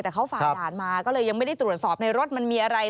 แต่เขาฝ่าด่านมาก็เลยยังไม่ได้ตรวจสอบในรถมันมีอะไร